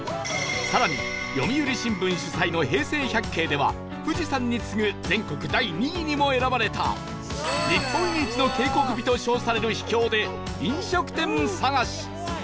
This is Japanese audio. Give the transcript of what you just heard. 更に読売新聞主催の平成百景では富士山に次ぐ全国第２位にも選ばれた日本一の渓谷美と称される秘境で飲食店探し